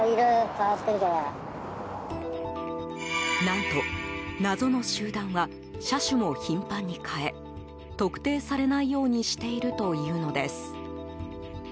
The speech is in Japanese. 何と、謎の集団は車種も頻繁に変え特定されないようにしているというのです。